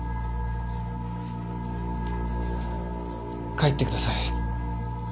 帰ってください。